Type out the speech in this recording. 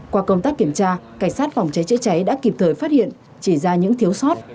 qua công tác kiểm tra cảnh sát phòng cháy chữa cháy đã kịp thời phát hiện chỉ ra những thiếu sót